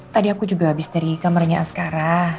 tadi aku juga habis dari kamarnya askara